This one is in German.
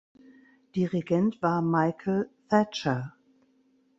Dirigent war Michael Thatcher.